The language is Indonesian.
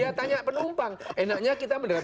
dia tanya penumpang enaknya kita mendengar